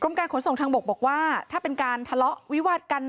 การขนส่งทางบกบอกว่าถ้าเป็นการทะเลาะวิวาดกัน